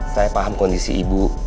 saya paham kondisi ibu